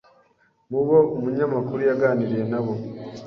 Mubo umunyamakuru yaganiriye nabo